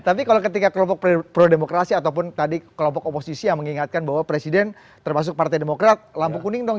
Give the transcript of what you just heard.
tapi kalau ketika kelompok pro demokrasi ataupun tadi kelompok oposisi yang mengingatkan bahwa presiden termasuk partai demokrat lampu kuning dong